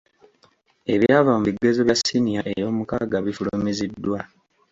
Ebyava mu bigezo bya siniya eyomukaaga bifulumiziddwa.